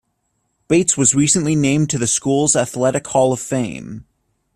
Bates was recently named to the school's athletic hall of fame.